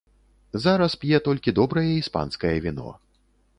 Зараз п'е толькі добрае іспанскае віно.